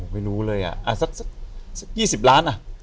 ไม่รู้เลยอ่ะสัก๒๐ล้านอ่ะ